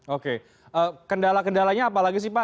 oke kendala kendalanya apa lagi sih pak